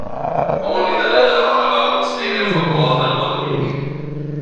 Only the latter, however, would stay there for more than one week.